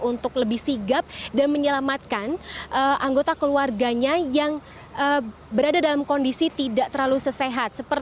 untuk lebih sigap dan menyelamatkan anggota keluarganya yang berada dalam kondisi tidak terlalu sesehat